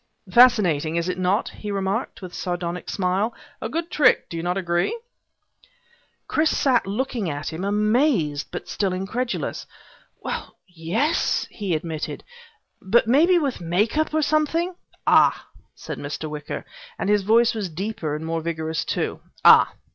"Fascinating, is it not?" he remarked, with a sardonic smile. "A good trick, do you not agree?" Chris sat looking at him, amazed but still incredulous. "Well yes," he admitted, "but maybe with make up, or something " "Ah," said Mr. Wicker, and his voice was deeper and more vigorous too. "Ah.